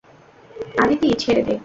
আদিতি, ছেড়ে দে!